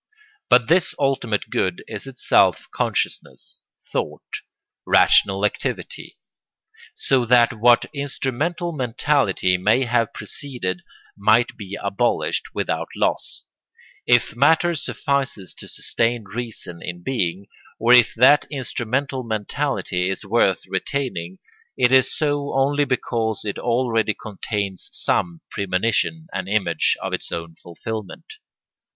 But this ultimate good is itself consciousness, thought, rational activity; so that what instrumental mentality may have preceded might be abolished without loss, if matter suffices to sustain reason in being; or if that instrumental mentality is worth retaining, it is so only because it already contains some premonition and image of its own fulfilment.